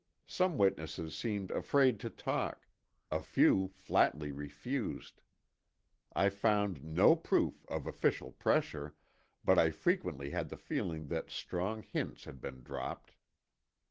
Some witnesses seemed afraid to talk; a few flatly refused. I found no proof of official pressure, but I frequently had the feeling that strong hints had been dropped.